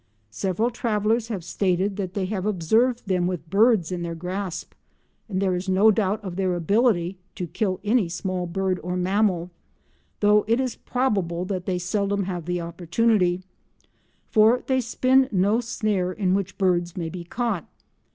Several travellers have stated that they have observed them with birds in their grasp, and there is no doubt of their ability to kill any small bird or mammal, though it is probable that they seldom have the opportunity, for they spin no snare in which birds may be caught.